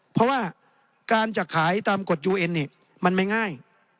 เพราะว่าการจะขายตามกฎยูเอ็นเนี่ยมันไม่ง่าย